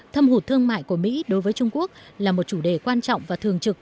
thâm hụt thương mại của mỹ đối với trung quốc là một chủ đề quan trọng và thường trực